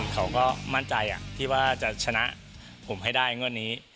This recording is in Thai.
เขาก็มั่นใจที่ว่าจะชนะผมให้ได้งวดนี้